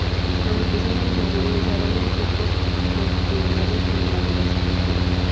Los especímenes maduros desarrollan surcos longitudinales en la madurez.